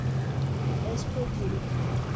Expedida